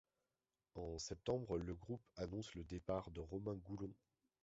En septembre, le groupe annonce le départ de Romain Goulon.